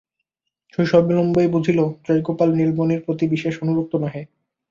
শশী অবিলম্বেই বুঝিল, জয়গোপাল নীলমণির প্রতি বিশেষ অনুরক্ত নহে।